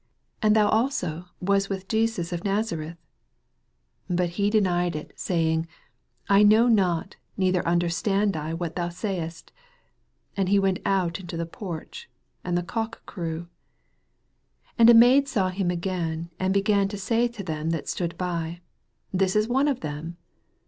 And thou also wast with Jesus of Nazareth. 68 But he denied, saying, I know not, neither understand I what thou sayest. And he went out into the porch : and the cock crew. 69 And a inaid saw him again, and began to say to them that stood by, This is one of them.